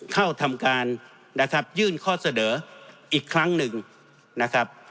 เข้าทำการนะครับยื่นข้อเสนออีกครั้งหนึ่งนะครับ